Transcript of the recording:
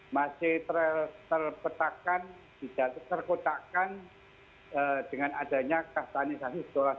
masih terpetakan terkotakkan dengan adanya kastanisasi sekolah